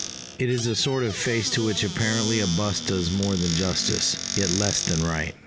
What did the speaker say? It is a sort of face to which apparently a bust does more than justice, yet less than right.